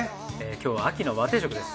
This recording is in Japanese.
今日は秋の和定食です。